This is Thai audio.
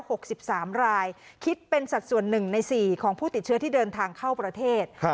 หกสิบสามรายคิดเป็นสัดส่วนหนึ่งในสี่ของผู้ติดเชื้อที่เดินทางเข้าประเทศครับ